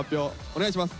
お願いします。